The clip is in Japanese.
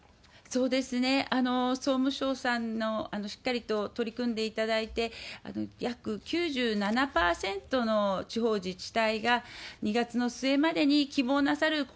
そうですね、総務省さんのしっかりと取り組んでいただいて、約９７％の地方自治体が、２月の末までに希望なさる